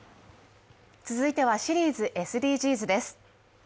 続いてはシリーズ「ＳＤＧｓ」です。